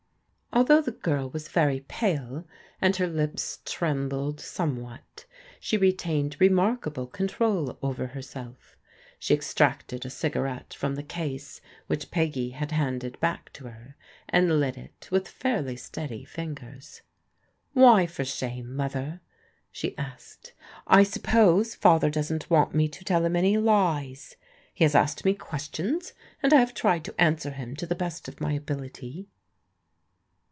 Although the girl was very pale, and her lips trembled somewhat, she retained remarkable control over herself. She extracted a cigarette from the case which Peggy had handed back to her, and lit it with fairly steady fingers. "Why for shame, Mother?" she asked. "I suppose Father doesn't want me to tell him any lies. He has asked me questions, and I have tried to answer him to the best of my ability."